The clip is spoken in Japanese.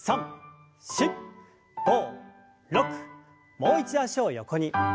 もう一度脚を横に。